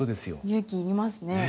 勇気要りますね。